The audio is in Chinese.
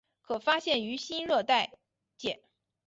可发现于新热带界。